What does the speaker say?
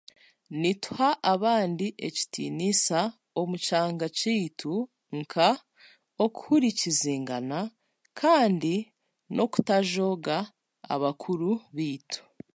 Nituha abandi ekitiniisa omukyanga kyaitu nka okuhurikizingana, kandi n'okutajooga abakuru baitu.